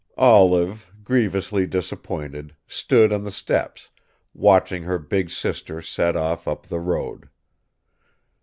Olive, grievously disappointed, stood on the steps, watching her big sister set off up the road.